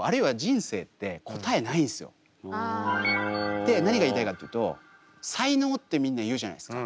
で何が言いたいかっていうと才能ってみんな言うじゃないですか。